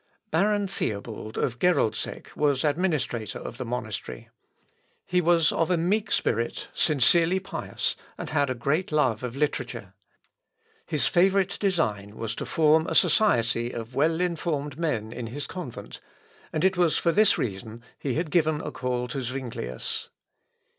] Baron Theobald of Geroldsek was administrator of the monastery. He was of a meek spirit, sincerely pious, and had a great love of literature. His favourite design was to form a society of well informed men in his convent; and it was for this reason he had given a call to Zuinglius.